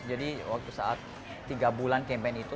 waktu saat tiga bulan campaign itu